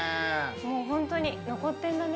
もう本当に残ってんだね。